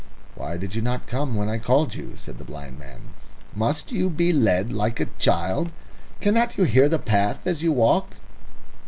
"Why did you not come when I called you?" said the blind man. "Must you be led like a child? Cannot you hear the path as you walk?"